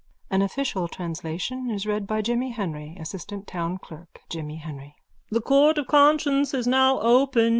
(An official translation is read by Jimmy Henry, assistant town clerk.) JIMMY HENRY: The Court of Conscience is now open.